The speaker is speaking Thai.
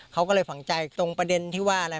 เขาก็เลยฝังใจตรงประเด็นที่ว่าอะไร